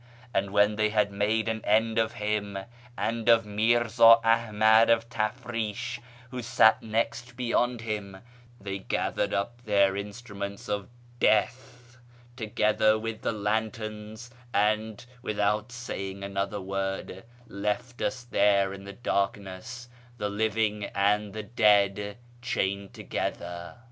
And when they had made an end of him, and of Mirza Ahmad of Tafrish, who sat next beyond him, they gathered up their instruments of death, together with the lanterns, and, without saying another word, left us there in the darkness, the living and the dead chained together.